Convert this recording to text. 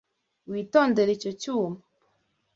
Witondere icyo cyuma